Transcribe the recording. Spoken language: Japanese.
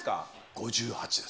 ５８です。